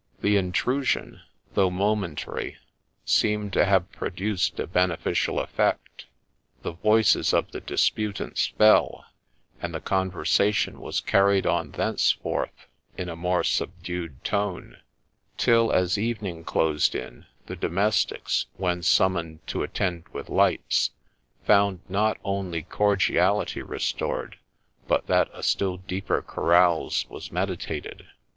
The intrusion, though momentary, seemed to have produced » beneficial effect ; the voices of the disputants fell, and the conversation was carried on thenceforth in a more subdued tone, till, as evening closed in, the domestics, when summoned to attend with lights, found not only cordiality restored, but that a still deeper carouse was meditated.